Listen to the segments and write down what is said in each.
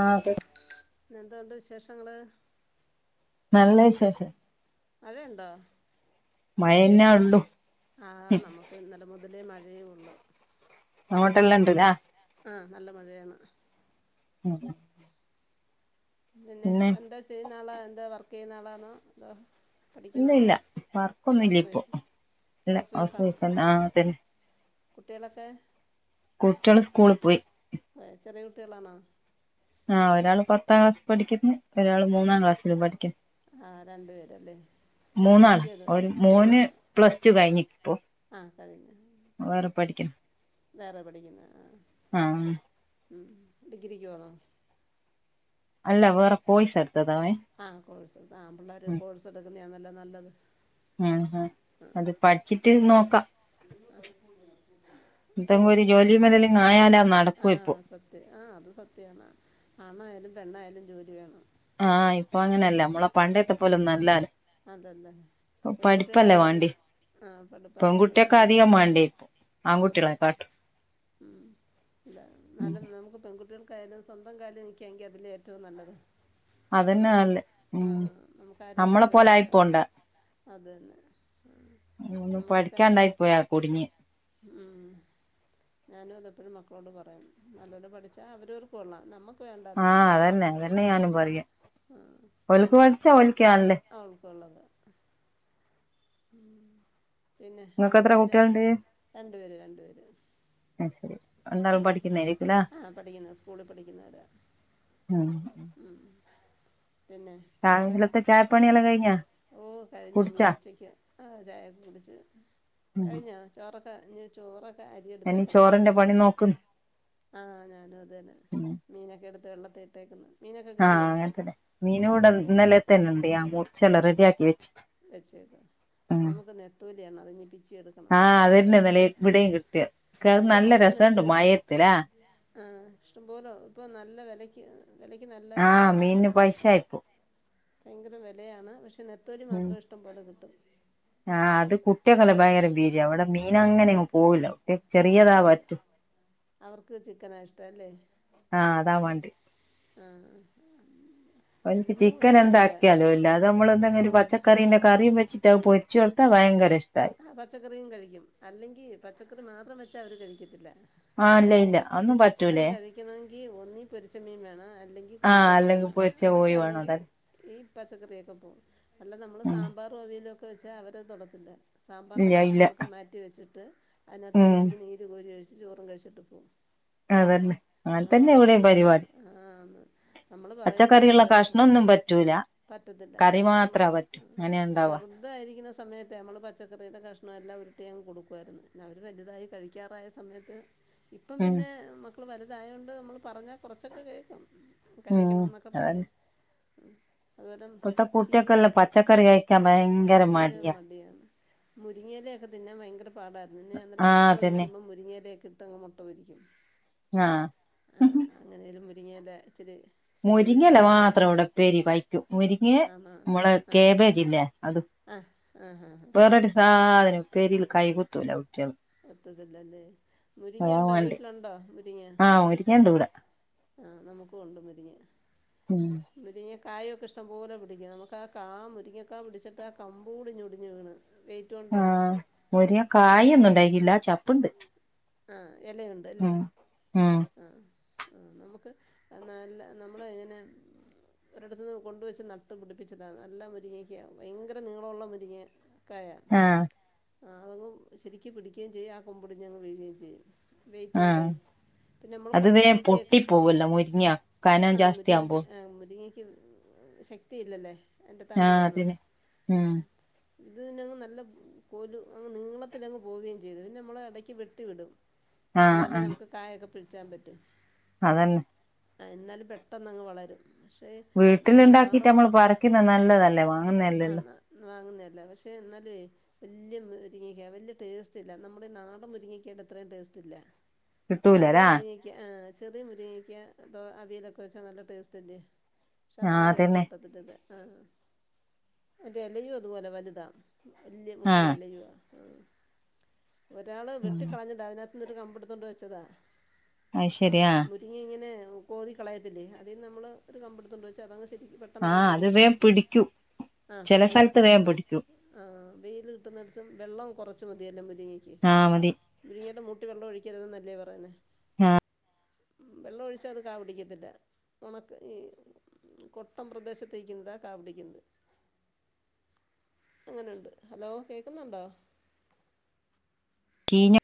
ആഹ് അതെ. ന്നെ എന്തുണ്ട് വിശേഷങ്ങൾ. നല്ല വിശേഷം. മയണ്ടോ? മ യന്നെ ഉള്ളു. ആഹ് നമുക്ക് ഇന്നലെ മുതല് മഴയെ ഉള്ളു. അങ്ങോട്ടെല്ലാം ഉണ്ട്ല്ല. ആഹ് നല്ല മഴയാണ്. ഉം പിന്നെ എന്താ ചെയ്യുന്ന ആള് എന്താ വർക്ക് ചെയ്യുന്ന ആളാണോതോ. ഇല്ല ഇല്ല വർക്കൊന്നുംല്ല ഇപ്പോ ഇല്ല ഹൗസ് വൈഫ്എന്നെആഹ് അതന്നെ. കുട്ടികളെക്കെ കുട്ട്യോൾ സ്കൂളിൽ പോയി. ആ ചെറിയ കുട്ടികളാണോ? ആഹ് ഒരാള് പത്താം ക്ലാസ് പഠിക്കുന്നു ഒരാൾ മൂന്നാം ക്ലാസ്സിൽ പഠിക്കുന്നു. ആഹ് രണ്ടു പേരല്ലേ? മൂന്നാണ് എനിക്കും അത് ഒരു മോന് മൂന്നാളാണ് പ്ലസ് ടു കഴിഞ്ഞ്പ്പൊ. ആ കഴിഞ്ഞു വേറെ പഠിക്കണം. വേറെ പഠിക്കുന്നത് ആഹ് ആഹആഉം ഡഗ്രിക്ക് പോന്നോ? അല്ല വേറെ കോയിസ് എടുത്ത താ അവൻ. ആഹ് കോഴ്സ് ആഹ് പിള്ളേർ കോഴ്സ് എടുക്കുന്നതല്ലോ നല്ലത്. ആഹ് ആഹ് അത് പഠിച്ചിട്ട് നോക്കാം. എന്തെങ്കലും ഒരു ഓ ജോലി മുതലും ആയാലാ നടക്കൊ പ്പോ. ആഹ് അത് സത്യമാണ് ആണ്ണായാലും പെണ്ണായാലും ജോലി വേണം. ആഹ് ഇപ്പൊ അങ്ങനെയല്ല നമ്മളെ ആ പണ്ട് താ പോലും നല്ലല്ല. അതല്ലേ പോ എന്നു പഠിപ്പല്ലേ പെൺകുട്ടികളായാലും വാണ്ടിയെ ആ പഠിപ്പാണ് വേണ്ടത് പെൺകുട്ടി പെൺകുട്ടിയെക്കാതിയെ മാണ്ടിയെ ആ ആൺകുട്ടികളെ കാട്ടും ഉം ഉം ല്ലന്നാലും നമ്ക്ക് പെങ്കുട്ടിയോൾ നിക്കെതും സ്വന്തം കാല് നിക്കാണെങ്കി അതില് ഏറ്റവും നല്ലത്. അതന്നെ നമുക്ക് നല്ലേ ആ ഉം നമുക്കാരേം ആസ് നമ്മളെ പോലെ ആയിപ്പോണ്ട അതന്നെ നിന്ന് പഠിക്കാണ്ടായി പോയാ കുടിങ്ങിയേ ഉം ഞാനും അതപ്പെഴും മക്കളോട് പറയും നല്ലോരം പഠിച്ചാ അവരവർക്ക് കൊള്ളാം നമ്മക്ക് ആഹ് അതന്നെ അതന്നെ ഞാനും പറയാ ആ ഓല്ക്ക് പഠിച്ചാ ഓ ൽക്കാല്ലേ അവൾക്കുള്ളത് ഉ പിന്നെ ഇങ്ങക്ക് എത്ര രാവിലെ കുട്ടികളുണ്ട് രണ്ട് പേര് രണ്ടു പേര് ആ ശരി രണ്ടാളും പഠിക്ക്ന്നേരിക്കലേ ആ പഠിക്കുന്ന സ്കൂളിൽ പഠിക്കുന്നവരാ ആഹ് പിന്നെ വേറെ രാവിലത്തെ ചായ പണിയാണ്- ഓ കഴിഞ് ഞ്ഞി ഉച്ചക്ക് ആ ചായൊക്കെ കുടിച്ച് ഉം കഴിഞ്ഞാ ചോറൊക്ക ഞ് ചോറൊക്ക അരിയടു [unintelligible] നോക്കും ആ ഞാനും അതന്നെ. മീനൊക്കെ ട്ത്ത് വെള്ളത്ത് ഇട്ടേക്കുന്ന്. ആഹ് അങ്ങൻത്തെന്നെ. മീന് വ്ടെ ഇന്നലെതന്നെണ്ട്. യാ മുർച്ചെല്ലാ റെഡിയാക്കി വെച്ചി. വച്ചേക്ക. നമുക്ക് നെത്തോലിയാണ്. അതിഞ്ഞിപ്പിച്ചിയെട് ആഹ് അതന്നെ ന്നലേം വ്ടേം കിട്ടിയെ. ക്ക അഹ് നല്ല രസണ്ട് മയത്ത്ലാ ആഹ്. ഇഷ്ടം പോലോ ഇപ്പൊ നല്ല വെലയ്ക്ക്. വെലയ്ക്ക് നല്ല മീന്ന് പൈശായിപ്പോ ഭയങ്കര വെലയാണ്. പക്ഷെ നെത്തോലി ഉം മാത്രം ഇഷ്ടംപോലെ കിട്ടും. ആഹ് അത് കുട്ടിക്കളെ ഭയേര ഭീര്യവും. വെടെ മീനങ്ങനെ ങ്ങ് പോവുലാ ആഹ് മത [unintelligible] അവർക്ക് ചിക്കനാ ഇഷ്ടല്ലേ? ആഹ് അതാ വാണ്ടി ആഹ് ആഹ് ഓൽക്ക് ചിക്കനെന്താക്കിയാലോ ല്ല. അതമ്മള് ഓ ന്തെങ്കിലു പച്ച ക്കറീന്റെ കറീ വെച്ചിട്ട് അഹ് പൊര്ച്ചൊട്ത്താ ഭയങ്കരഷ്ട്ടായി. ആഹ് പച്ചക്കറിയും കഴിക്കും. അല്ലെങ്കി പച്ചക്കറി മാത്രം വെച്ചാ അവര് കഴിക്കത്തില്ല. ആഹ് ല്ല ഇല്ല. അന്നും പറ്റൂലേ ക്കെണെങ്കി ഒന്നീ പൊരിച്ചമീൻ വേണ. അല്ലെങ്കി ആഹ് കോഴിക്കറി വേണ. അല്ലെങ്കിൽ പൊരിച്ച കോഴി വേണം അതൊക്കേണെങ്കി അതാണ് ഈ പച്ചക്കറിയൊക്കെ പോവും. അല്ല നമ്മള് ഉം സാമ്പാറോ അവിയലൊക്കെ വെച്ചാ അവരത് തൊടത്തില്ല. സാമ്പാർന്റെ ഇല്ല ഇല്ല കഷ്ണൊക്കെ മാറ്റി വെച്ചിട്ട് ഉം അയിനകത്ത്ന്ന് ച്ചിരി നീര് കോരി ഒഴിച്ച് ചോറും കഴിച്ട്ട് പോവും. അതന്നെ അങ്ങനെ ആഹ് തന്നെ ഇവിടെയും പരിപാടി മക്കളെന്നെ ആഹ് മ അമ്മള് പറയും പച്ചക്കറികളൊക്കെ റ്റൂല പറ്റത്തില്ലാ. കഷ്ണങ്ങളൊ ആഹ് ഉണ്ടാവാ ചെറുതായിരിക്ക്ണ സമയ ത്തേ അമ്മള് പച്ചക്കറിയ്ത്തെ കഷ്ണ എല്ലാം ഉരുട്ടിയങ്ങ് കൊടുക്കുവായിര്ന്ന്. അവര് വല്തായി കഴിക്കാറായ സമയത്ത് ഇപ്പം ഉം പിന്നെ മക്കള് വലുതായോണ്ട് മ്മള് പറഞ്ഞാ കൊറച്ചൊക്കെ കേക്കും. ഉം കഴിക്കണോന്നൊക്കെ പറയാ ഉം. പ്പെത്തെകുട്ടിയക്കല്ല പച്ചക്കറി കയിക്കാ ഭയങ്കര വലിയ മടിയാ മടിയാണ്. മുരിങ്ങയിലൊക്കെ തിന്നാ വയങ്കര പാടായിര്ന്ന്. ന്നെ ഞാന്നലെ ആഹ് മൊട്ട അതന്നെ പൊരിക്കുമ്പം മുരിങ്ങിയിലെക്കെ ട്ട മൊട്ട പൊരിക്കും. ആഹ് ആഹ് അങ്ങനേലും മുരിങ്ങിയല ഇച്ചിരി ശരീരത്ത് മുരിങ്ങല ചെല്ലട്ടെ മാത്രം വടെ പ്പേരി പയ്റ്റും. മുരിങ്ങേ മ്മളെ കേബേജ്ല്ലേ അതും. ആഹ് ആഹ് ആഹ് വേറൊര് സാധനുംപ്പേരീല് കൈ കുത്തൂല കു ട്യോള് ഒത്തത്തില്ലല്ലേ. മുരിങ്ങണ്ടോ വേണ്ടേ വീട്ട് ലൊണ്ടോ മുരിങ്ങ ആഹ് മുരിങ്ങണ്ട് ഇവിടെ ആഹ്. നമുക്ക് ഒണ്ട് മുരിങ്ങ ആഹ് മുരിങ്ങ കായൊക്കെ ഇഷ്ടം പോ ലെ പിടിക്കും. അമുക്ക് ആ കാ മുരിങ്ങക്കാ പുടിച്ചിട്ടാ കമ്പൂടി ഒടിഞ്ഞ് വീണ് വെയ്റ്റോണ്ടേ മുരിങ്ങാ കായൊന്നും ണ്ടായിട്ടില്ല ചപ്പ്ണ്ട് ആഹ്. എലയുണ്ട് അല്ലേ. ഉം ആഹ് ആഹ് നമ്മുക്ക് നല്ല നമ്മളെ ങ്ങനെ ഒരിടത്തൂന്ന് കൊണ്ടുവെച്ച് നട്ട് പുടിപ്പിച്ചതാന്ന്. നല്ല മുരിങ്ങക്കയാവും. വയങ്കര നീളോള്ള മുരിങ്ങ ക്കായ ആഹ് ആഹ് അതും ശെരിക്ക് പിടിക്കേയും ചെയ്യും. ആ കൊമ്പൊടിഞ്ഞങ്ങ് വീഴുകയും ചെയ്യും. ആഹ് വെയ്‌റ്റോണ്ടേ പിന്നെ മ്മള് അത് കൊറച്ച് വേം വെട്ടിയൊക്കെ പൊട്ടി പോവല്ലോ മുരിങ്ങ കനം ആഹ് ജാസ്തി മുരിങ്ങക്ക് ആവുമ്പോ ആഹ് മുരിങ്ങയ് ക്ക് ശക്തിയില്ലല്ലേ അയിൻ്റെ ആഹ് തണ്ടിനൊന്നും അതിന് ഉം ആഹ് ഇത് നങ്ങ് നല്ല കോലു അങ്ങ് നിളത്തിലങ്ങ് പോവ്വേം ചെയ്ത്. പിന്നെ അമ്മളെ എടയ്ക്ക് വെട് ട്ടി വിടും. ആഹ് എന്നാലെ ആഹ് നമുക്ക് കായൊക്കെ പിച്ചാൻ പറ്റും അതന്നെ ആഹ് എന്നാലും പെട്ടെന്നങ്ങ് വളരും. പക്ഷേ വീട്ടിൽ ഉണ്ടാക്കിട്ട് നാടൻ നമ്മൾ പറിക്കുന്ന നല്ലതല്ലേ ആ വാങ്ങുന്നതല്ലേല്ലോ വാങ്ങുന്നതല്ല പക്ഷേ എന്നാലും വലിയ മുരിങ്ങക്ക വലിയ ടേസ്റ്റ് ഇല്ല നമ്മുടെ ഈ നാടൻ മുരിങ്ങി [unintelligible] ഇത്രയും ടേസ്റ്റ് ഇല്ല ചെറിയ കിട്ടൂലരാ മുരിങ്ങക്ക് ചെറിയ മുരിങ്ങിക്കാ തേ അവിയലൊക്കെ വെച്ചാൽ നല്ല ടേസ്റ്റ് അല്ലേ പക്ഷേ ആഹ് അത്രയും ടേസ്റ്റ് അതന്നെ കിട്ടത്തിട്ടത് ആ മറ്ററെ എലയും അതുപോലെ വലുതാ വല്യ മുട്ടൻ ആഹ് ഇലയു ആ ഒരാള് വെട്ടി അ അതിനകത്ത് നിന്നെ രു കമ്പിടുത്തോണ്ട് വെച്ചതാ അയ് ശരിയാ ആഹ് പങ്ങി ഇങ്ങനെ കോതി കളയത്തില്ല അതിൽ നിന്ന് നമ്മള് ഒരു കമ്പടുത്ത കൊണ്ട് വെച്ചാ അതങ് ശരിക്കരി പെട്ടെന്ന് അങ്ങ് ആഹ് പിട അത് വേം പിടിക്കും ആഹ് ചില പിടിക്കും സ്ഥലത്ത് പെട്ടെന്ന് വേം പിടിക്കും ആ വെയിൽ കിട്ടുന്നിടത്തും വെള്ളം കുറച്ച് മതിയല്ലേ മുരിങ്ങയ്ക്ക് ആ മതി മുരുങ്ങേടെ മൂട്ടിൽ വെള്ളം ഒഴിക്കരുതെന്നല്ലേ പറയേ വെളളം ഒഴിച്ച അത് കാ പിടിക്കത്തില്ല ഒണക്ക് ഈ കൊട്ടം പ്രദേശത്തക്കുന്നതാ കാ പിടിക്കുന്നത് അങ്ങനെയുണ്ട് ഹലോ കേൾക്കുന്നുണ്ടോ ചീഞ്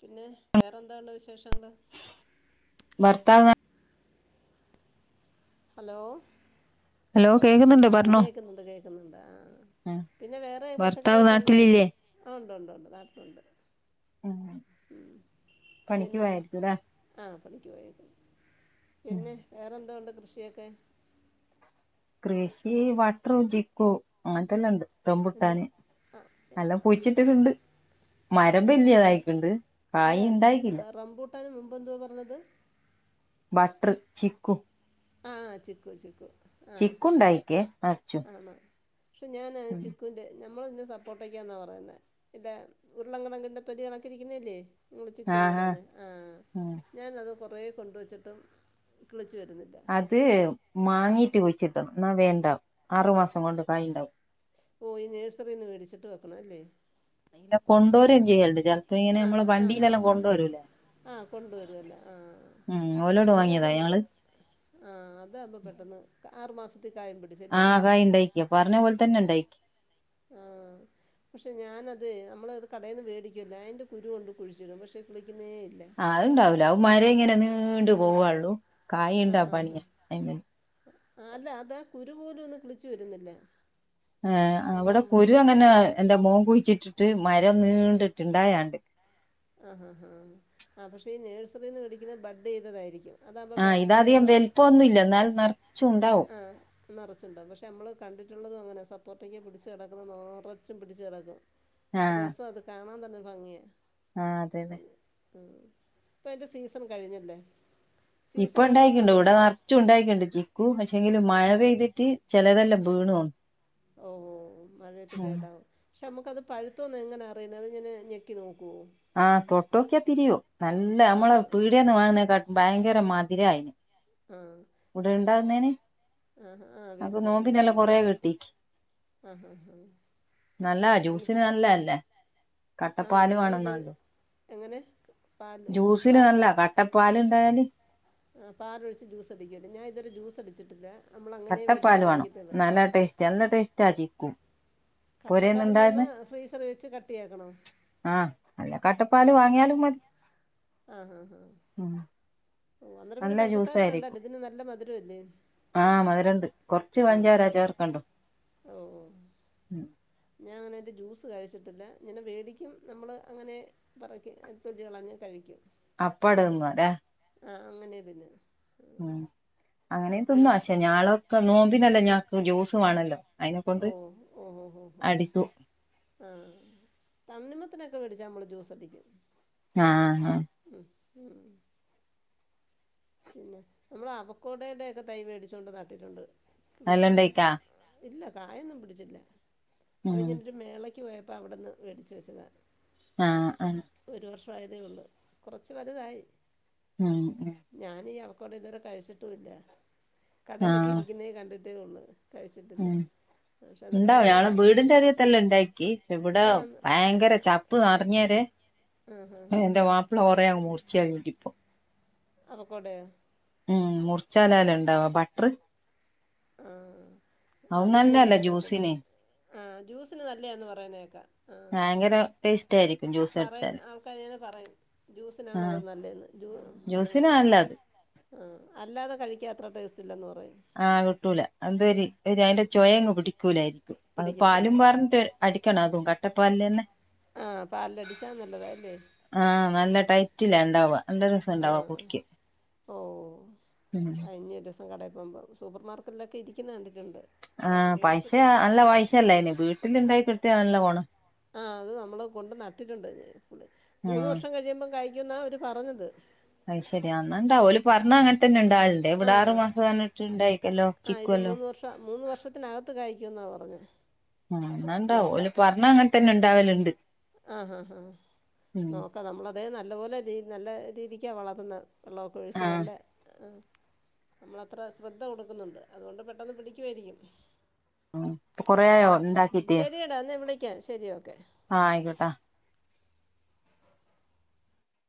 പിന്നെ വേറെ എന്താണ്ട വിശേഷങ്ങൾ വർത്തവ് ഹലോ ഹലോ കേൾക്കുന്നുണ്ട് ആഹ് പറഞ്ഞോ കേൾക്കുന്നുണ്ട് കേക്കുന്നുണ്ട് ആഹ് പിന്നെ വേറെ ഭർത്താവ് പച്ചക്കറൊക്കെ ഇണ്ടോ വീട്ട് നാട്ടിലില്ലേ ആ ഉണ്ട് ഉണ്ട് ഉണ്ട് നാട്ടിലുണ്ട് ഉം ഉം പണിക്ക് പിന്നെ പോയായിരിക്കുംല്ലേ ആ പണിക്ക് പോയക്കത് പിന്നെ വേറെന്ത് ഉണ്ട് കൃഷിയൊക്കെ കൃഷി വട്ടറോ ജിക്കോ അങ്ങനത്തെല്ലാം ഇണ്ട് എന്താ റംപുട്ടാന് ആ എല്ലാം കുയിച്ചിട്ടുണ്ട് മരം വലിയതായിട്ടണ്ട് കായ് ഇണ്ടായിക്കില്ല പട്ടാും മുമ്പന്തുവാ പറഞ്ഞത് ബട്ടർ ചിക്കു ആഹ് ചിക്കു ചിക്കു ആഹ് ചിക്കു ഉണ്ടായിക്കേ നറച്ചു ആമ പക്ഷെ ഞാൻ ഉം ചിക്കുന്റെ നമ്മള് ഇന്ന സപ്പോർട്ട്ക്കാന്നാ പറയുന്ന ഇല്ല ഉരുളകണക്കിന്റെ തൊലി കണക്കിരിക്കുന്നല്ലേ നിങ്ങള്ച്ചിക്കൂന്ന് ആഹാ പറയുന്നത് ആഹ് ഉം ഞാനത് കൊറേ കൊണ്ടുവച്ചിട്ടും കിളിച്ച് വരുന്നില്ല അത് മാങ്ങീട്ട് കുയിച്ചിട്ടണം എന്നാ വേണ്ടാവും ആറുമാസം കൊണ്ട് കായിണ്ടാവും പോയി നേഴ്സറി നിന്ന് മേടിച്ചിട്ട് വെക്കണം അല്ലേ ഇല്ലെ കൊണ്ടോരം ചെയ്യൽണ്ട് ചെലപ്പോ ഇങ്ങന നമ്മള ആഹാ ആഹാ വണ്ടിയിലെല്ലാം ആഹാ കൊണ്ട് വരൂല്ലേ ആ കൊണ്ടുവരു അല്ലേ ആ ഓലോട് ഞാനത് വാങ്ങിയതാ ഞങ്ങള് ആ അതാവുമ്പോ പെട്ടെന്ന് ആറു മാസത്തേക്ക് ക്കായ് പിടിക്കും ആഹ കായ് ണ്ടായിക്കി പറഞ്ഞ പോലെ തന്നെണ്ടായിക്കി ആഹ് പക്ഷേ ഞാനത് നമ്മളത് കടയിൽന്ന് വേടിക്കൊമല്ല അതിൻ്റെ കുരു കൊണ്ട് കുഴിച്ചിടും പക്ഷേ കിളിക്കുന്നേ ഇല്ല അത് ഇണ്ടാവൂല അത് മരം ഇങ്ങനെ നീണ്ടു പോവള്ളു ആഹ് ആഹാ അല്ല അതാ കുരു പോലും ഒന്നും കിളിച്ചു വരുന്നില്ല ഏ അതാ അവിടെ നമ്മൾ കുരു അങ്ങനെ നോക്കിയത് എന്റെ മോൻ കുഴിച്ചിട്ടിട്ട് മരം നീണ്ടിട്ടുണ്ടായാണ്ട് ആഹ് ആഹാ ആഹാ ആ പക്ഷേ ഈ നേഴ്റിൽ നിന്ന് മേടിക്കുന്ന ബഡ് ചെയ്തതായിരിക്കും ആ അതാകുമ്പോൾ ഇതധികം വേഗം വലുപ്പന്നും ഇല്ല എന്നാൽ നർച്ചും ഉണ്ടാവും ആഹ് ന്നറച്ചട്ടണ്ടാവകും പക്ഷേ നമ്മള് കണ്ടിട്ടുള്ളതും അങ്ങനെ സപ്പോർട്ടിക്കക പിടച്ച് കിടക്കുന്നത് നറച്ചും പിടിച്ച് കടക്കും രസത് കാണാൻ തന്നെ ഭംഗിയാ ആ അതന്നെ ആ ഇപ്പൊ അതിന്റെ സീസൺ കഴിഞ്ഞല്ലേ ഇപ്പൊ സീസൺ ആകുമ്പം നമ്മൾ ഇണ്ടായിക്ക്ണ്ട്ഇവിടെ ച്ചും ഉണ്ടായിക്കുണ്ട് ചിക്കു പക്ഷെങ്കിലും മഴ പെയ്തിട്ട് ചിലതെല്ലാം ബീണ് ഓണ് ഓഹഓഓ മഴത്ത് കേടാവും പക്ഷെ നമുക്കത് പഴുത്തമന്ന് എങ്ങനാ അറിയുന്നത് അതങ്ങനെ ഞെക്കി നോക്കോ ആ തൊട്ടോക്കിയാ തിരിയും നല്ല ആ നമ്മള പീട്യേന്ന് വാങ്ങുന്നേക്കട്ടിലും ഭയങ്കര മധുരയിന് ആഹ് ഇവിടെ ഇണ്ടാവുന്നേന് ആ അപ്പൊ വീട്ടിൽ നോമ്പിനല്ല ഉണ്ടാകുന്നത് കൊറേ കിട്ടി ആ ഹാ ഹാ നല്ല എനിക്ക് ജ്യൂസിന് നല്ല അല്ലേ ആണോ കട്ടപ്പാല് ഞാൻ വാണം ഇതൊരു ന്നാണ് എങ്ങനെ പാല് ജ്യൂസിന് നല്ല പാൽ കട്ടപ്പാല് ണ്ടായാല് ആ പാല് ഒഴിച്ച് ജ്യൂസ് അടിക്കല്ലേ ഞാൻ ഇതവരെ ജ്യൂസ്ടിച്ചിട്ടില്ല നമ്മളങ്ങനെ മേടിച്ച് കട്ടപ്പാല് വേണം കഴിക്കത്തൊള്ളു നല്ല ടേസ്റ്റ് നല്ല ടെസ്റ്റാ ചിക്കു പൊരേന്ന് കട്ടപ്പാല് ന്ന് പറഞ്ഞാ ഉണ്ടാകുന്നെ ഫ്രീസർ വെച്ച് കട്ടിയക്കണൊ ആഹ് അല്ലെകട്ടപ്പാല് വാങ്ങ്യാലും മതി ആ ഹാ ഹാ ഉം ഓ അന്ന്ട്ട് പിന്നെ നല്ല പഞ്ചസാര വേണ്ട ജ്യൂസായിരിക്കും ഇതിന് നല്ല മധുരംല്ലേ ആഹ് മധുരണ്ട് കൊറച്ച് പഞ്ചാര ചേർക്കണ്ടോ ഓ ഓ ഉം ഞാൻ അങ്ങനെ ഐന്റെജ്യൂസ് കഴിച്ചിട്ടില്ലങ്ങനെ മേടിക്കും നമ്മൾ അങ്ങനെ പറക്കി തൊലികളഞ്ഞ് കഴിക്കും അപ്പട തിന്നു അല്ലേ ആഹ് അങ്ങനെതിന്നും ഉം അങ്ങനെ തിന്ന പക്ഷെ ഞളൊക്കെ നോമ്പിനന്നല്ലോ ഞങ്ങക്ക് ജ്യൂസ് വേണല്ലോ അയിനെ കൊണ്ട് ഓ ഓ ഹോ ഹോ ഹോ അടിക്കും ആഹ് തണ്ണിമത്തിനൊക്കെ മേടിച്ചാൽ നമ്മൾ ജ്യൂസടിക്കും ആഹ് ഉം ഉം പിന്നെ നമ്മൾ അവക്കോടടെക്കെ തൈ മേടിച്ചോണ്ട് നട്ടിട്ടുണ്ട് വെച്ച് നല്ലണ്ടേക്കാ ഇല്ല കായൊന്നും പിടിച്ചില്ല ഉം അതിങ്ങനെരു മേള ക്ക് പോയപ്പോവിടുന്ന് മേടിച്ച് വെച്ചതാ ആഹ് ആ ഒരു വർഷമായതേ ഉള്ളൂ കൊറച്ച് വലുതായി ഉം ഉ ഞാൻ അവോക്കാഡോ ഇതുവരെ കഴിച്ചിട്ടുമില്ല കടേലൊക്കെ ആഹ് ഇരിക്കുന്നതേ കണ്ടിട്ടേ ഉള്ളൂ ഇല്ല ഉം ഉണ്ടാവും ഞങ്ങളുടെ വീടിന്റെ അറിയത്തെല്ലെ ഉണ്ടാക്കി ഇവിടെ ഭയങ്കര ചപ്പ് നിറഞ്ഞര് മം മം [unintelligible] മൂർച്ചയാകിട്ടിപ്പോ അക്കോടയോ ഉം മുറിച്ചാലാല ഉണ്ടാവ ബട്ടർ ആഹ് ആഹ് അത് അതോന്നും നല്ലതല്ല എനിക്കറിയത്തില്ല ജ്യൂസിന് ആഹ് ജ്യൂസിന് നല്ലതെന്ന് പറയുന്നത് കേൾക്കാം ആഹ് ഭയങ്കര ടേസ്റ്റ് ആയിരിക്കും ജ്യൂസ് അടച്ചാല് [unintelligible] പറയും ജ്യൂസിനണതോ നല്ലന്ന് ജ്യൂസിന് ആഹ് നല്ലത് ആഹ് അല്ലാതെ കഴിക്കാൻ അത്ര ടേസ്റ്റ് ഇല്ലെന്ന് പറയും ആഹ് കിട്ടൂല അത് ഒരു അതിന്റെ ചോയ പിടിക്കൂലായിരിക്കും അത് പിടിക്കത്തില്ല പാലും പറാറിഞ്ഞട്ട അടിക്കണം അതും കട്ടപ്പ പാൽ തന്നെ ആ പാലിലടിച്ചാൽ നല്ലതാ അല്ലേ ആഹ് നല്ല ടൈറ്റില്ല ഉണ്ടാവ നല്ല രസ ആ ഉണ്ടവാ കുടിക്ക് ഓ കട പോകുമ്പോൾ സൂപ്പർ മാർക്കറ്റിലൊക്കെ ഇരിക്കുന്നു കണ്ടിട്ടുണ്ട് ക ആഹ് പൈസ മേടിച്ചിട്ടില്ല നല്ല പൈസയല്ല ഇനി വീട്ടിൽ ഉണ്ടായി കിട്ടിയ നല്ല പോണം ആഹ് അത് നമ്മള് കൊണ്ട് നട്ടിട്ടുണ്ട് മൂന്ന് ആഹ് വർഷം കഴിയുമ്പോൾ കായ്ക്കും എന്നാ അവര് പറഞ്ഞത് അത് ശരിയ എന്നന്ന ഉണ്ടാവും പറഞ്ഞ അങ്ങനെ തന്നെ ഉണ്ടാവാറുണ്ട് ഇവിടെ ആറ് മാസം പറഞ്ഞിട്ട് ഉണ്ടായിരിക്കല്ലോ ആഹ് ഇത് മൂന്ന് വർഷം മൂന്ന് വർഷത്തിനകത്ത് കായ്ക്കുമെന്നാണ് പറഞ്ഞത് ആഹ് എന്നാൽ ഉണ്ടാവും പറഞ്ഞണ് അങ്ങനെത്ത തന്നെ ഉണ്ടാവലുണ്ട് ആഹ് ഹാ ഹാ നോക്കാം നമ്മള അതേ നല്ല പോലെ നല്ല രീതിക്കാണ് വളർത്തുന്നത് വെള്ളമൊക്കെ ഒഴിച്ച് ആഹ് നല്ല ആഹ് നമ്മളത്ര ശ്രദ്ധ കൊടുക്കുന്നുണ്ട് അതുകൊണ്ട് പെട്ടെന്ന് പിടിക്കുമായിരിക്കും ആഹ് ഇപ്പൊ കൊറേ ആയോ ഇണ്ടാക്കീട്ട് ശരിടാ എന്നാ വിളിക്കാൻ ശരി ഓക്കെ ആഹ് ആയിക്കോട്ടെ